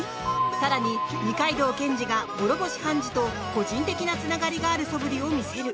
更に二階堂検事が諸星判事と個人的なつながりがあるそぶりを見せる。